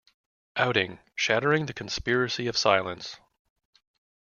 Outing: Shattering the Conspiracy of Silence.